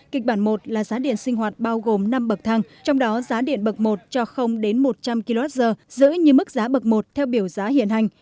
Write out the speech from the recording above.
kịch bản một là giá điện sinh hoạt bao gồm năm bậc thang trong đó giá điện bậc một cho đến một trăm linh kwh giữ như mức giá bậc một theo biểu giá hiện hành